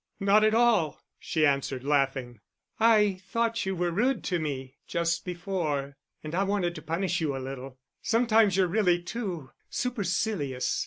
"Not at all," she answered, laughing. "I thought you were rude to me just before, and I wanted to punish you a little. Sometimes you're really too supercilious....